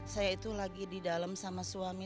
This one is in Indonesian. saya itu lagi di dalam sama suami